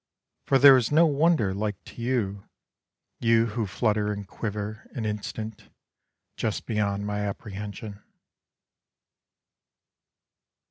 For there is no wonder like to you, You who flutter and quiver An instant Just beyond my apprehension.